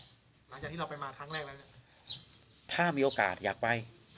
หลังจากที่เราไปมาครั้งแรกแล้วเนี่ยถ้ามีโอกาสอยากไป